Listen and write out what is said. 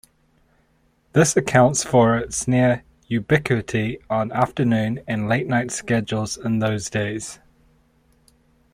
This accounts for its near-ubiquity on afternoon and late-night schedules in those days.